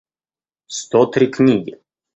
сто три книги